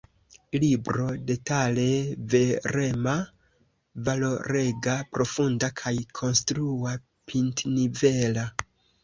Libro detale verema, valorega, profunda kaj konstrua, pintnivela.